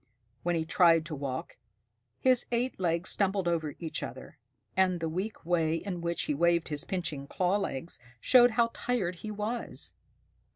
When he tried to walk, his eight legs stumbled over each other, and the weak way in which he waved his pinching claw legs showed how tired he was.